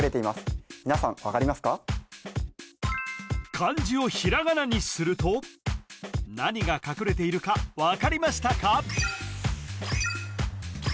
漢字をひらがなにすると何が隠れているか分かりましたか？